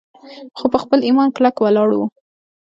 خو پۀ خپل ايمان کلک ولاړ وو